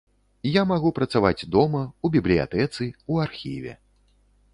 Я магу працаваць дома, у бібліятэцы, у архіве.